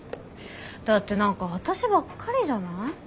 だって何か私ばっかりじゃない？